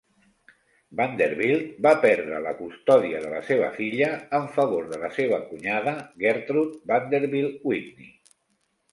Vanderbilt va perdre la custòdia de la seva filla en favor de la seva cunyada, Gertrude Vanderbilt Whitney.